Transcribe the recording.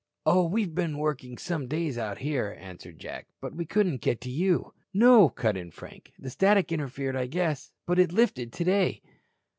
"Oh, we've been working some days out here," answered Jack. "But we couldn't get you." "No," cut in Frank. "The static interfered, I guess. But it lifted today."